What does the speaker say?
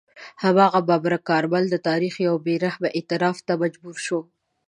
هماغه ببرک کارمل د تاریخ یو بې رحمه اعتراف ته مجبور شو.